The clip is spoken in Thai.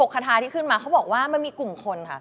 คาทาที่ขึ้นมาเขาบอกว่ามันมีกลุ่มคนค่ะ